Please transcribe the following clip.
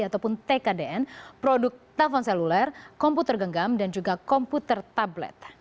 ataupun tkdn produk telpon seluler komputer genggam dan juga komputer tablet